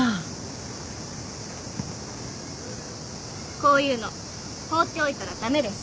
こういうの放っておいたら駄目です。